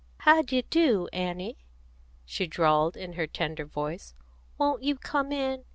"How d'ye do, Annie?" she drawled, in her tender voice. "Won't you come in?